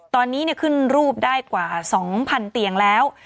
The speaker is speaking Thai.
ตอนนี้ขึ้นรูปได้กว่า๒๐๐๐เตียงแล้ว